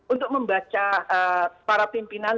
untuk membaca para pimpinan